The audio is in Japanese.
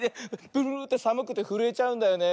ブルブルってさむくてふるえちゃうんだよね。